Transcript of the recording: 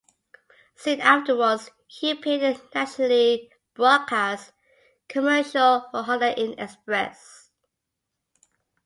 Soon afterwards, he appeared in a nationally broadcast commercial for Holiday Inn Express.